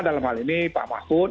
dalam hal ini pak mahfud